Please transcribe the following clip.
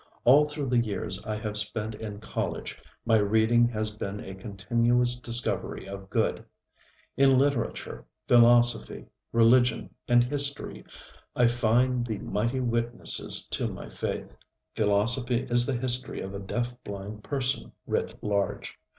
All through the years I have spent in college, my reading has been a continuous discovery of good. In literature, philosophy, religion and history I find the mighty witnesses to my faith. Philosophy is the history of a deaf blind person writ large.